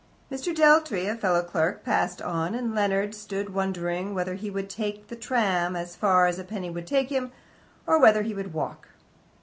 Mr. Dealtry, a fellow clerk, passed on, and Leonard stood wondering whether he would take the tram as far as a penny would take him, or whether he would walk.